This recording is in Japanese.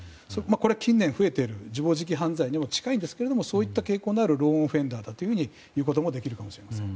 近年増えている自暴自棄犯罪に近いんですがそういった傾向のあるローン・オフェンダーだと言うこともできると思います。